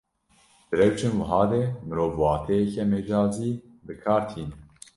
Di rewşên wiha de mirov, wateyeke mecazî bi kar tîne